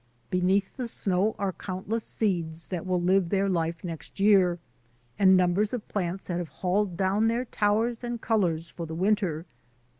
Beneath the snow are countless seeds that will live their life next year, and numbers of plants that have hauled down their towers and colours for the winter.